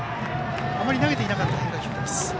あまり投げていなかった変化球です。